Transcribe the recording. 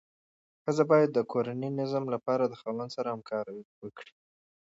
ښځه باید د کورني نظم لپاره د خاوند سره همکاري وکړي.